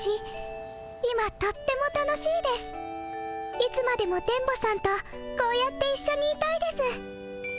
いつまでも電ボさんとこうやっていっしょにいたいです。